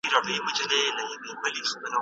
تفسیر او شننه زموږ لید لوری بدلوي.